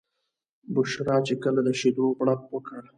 بشرا چې کله د شیدو غوړپ وکړ.